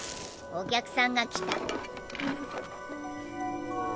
お客さんが来た。